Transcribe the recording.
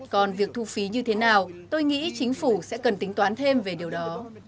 còn việc thu phí như thế nào tôi nghĩ chính phủ sẽ cần tính toán thêm về điều đó